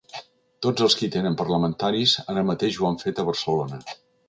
Tots els qui tenen parlamentaris ara mateix ho han fet a Barcelona.